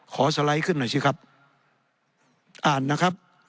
สไลด์ขึ้นหน่อยสิครับอ่านนะครับ